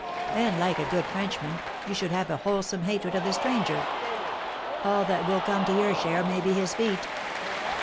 "And, like a good Frenchman, you should have a wholesome hatred of the stranger." "All that will come to your share may be his feet."